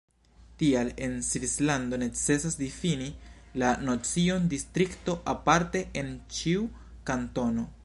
Tial en Svislando necesas difini la nocion distrikto aparte en ĉiu kantono.